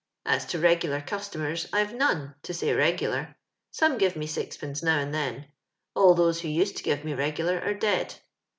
As to regular customers, I've none — to say regular; some give me sixpence now and then. All those who used to give me regular are dead.